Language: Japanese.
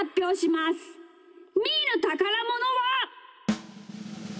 みーのたからものは。